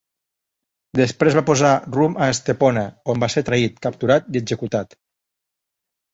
Després va posar rumb a Estepona, on va ser traït, capturat i executat.